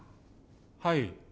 はい。